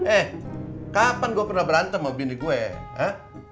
eh kapan gua pernah berantem sama bini gua ya